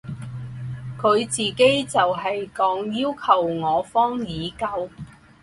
他自己就是说要求我方已久。